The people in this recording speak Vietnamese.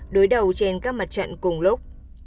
đối đầu trên các mặt trận cùng lúc